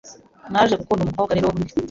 Naje gukunda umukobwa rero wo muri iryo